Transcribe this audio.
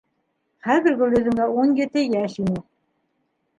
Хәҙер Гөлйөҙөмгә ун ете йәш ине.